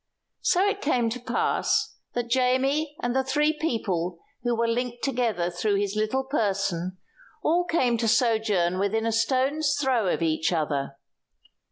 So it came to pass that Jamie and the three people who were linked together through his little person all came to sojourn within a stone's throw of each other.